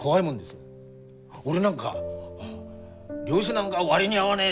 俺なんか漁師なんか割に合わねえ